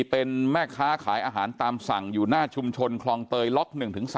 เป็นแม่ค้าขายอาหารตามสั่งอยู่หน้าชุมชนคลองเตยล็อก๑๓